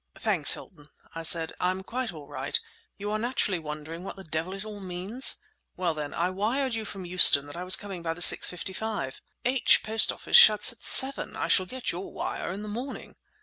"Thanks, Hilton," I said. "I'm quite all right. You are naturally wondering what the devil it all means? Well, then, I wired you from Euston that I was coming by the 6:55." "H— Post Office shuts at 7. I shall get your wire in the morning!"